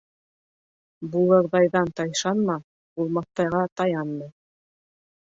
Булырҙайҙан тайшанма, булмаҫтайға таянма.